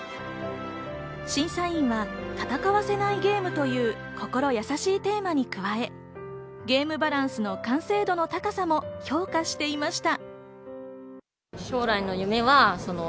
審査員は「戦わせないゲーム」という心やさしいテーマに加え、ゲームバランスの完成度の高さも評価していました。